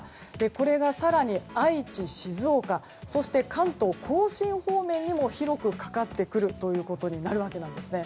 これが更に、愛知や静岡そして関東・甲信方面にも広くかかってくることになるわけなんですね。